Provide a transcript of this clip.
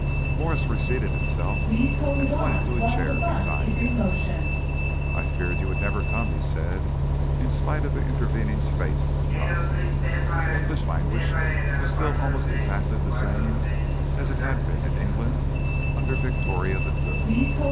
Mwres reseated himself and pointed to a chair beside him. "I feared you would never come," he said. In spite of the intervening space of time, the English language was still almost exactly the same as it had been in England under Victoria the Good.